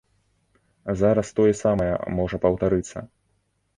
Зараз тое самае можа паўтарыцца.